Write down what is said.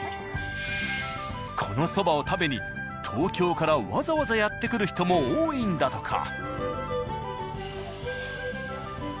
このそばを食べに東京からわざわざやって来る人も多いんだとか。